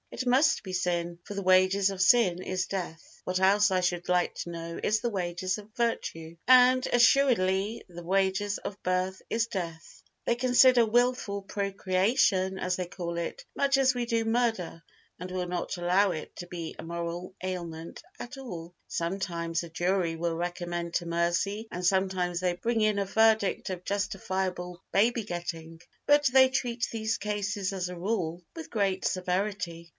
It must be sin, for the wages of sin is death (what else, I should like to know, is the wages of virtue?) and assuredly the wages of birth is death. They consider "wilful procreation," as they call it, much as we do murder and will not allow it to be a moral ailment at all. Sometimes a jury will recommend to mercy and sometimes they bring in a verdict of "justifiable baby getting," but they treat these cases as a rule with great severity.